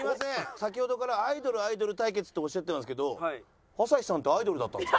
先ほどから「アイドルアイドル対決」っておっしゃってますけど朝日さんってアイドルだったんですか？